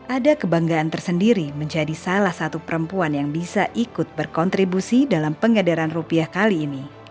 ada kebanggaan tersendiri menjadi salah satu perempuan yang bisa ikut berkontribusi dalam pengedaran rupiah kali ini